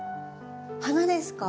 花ですか？